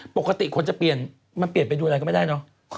ปกติคนจะเปลี่ยนมันเปลี่ยนไปดูอะไรก็ไม่ได้เนอะ